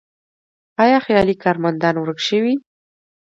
آیا خیالي کارمندان ورک شوي؟